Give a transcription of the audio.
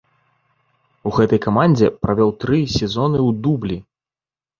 У гэтай камандзе правёў тры сезоны ў дублі.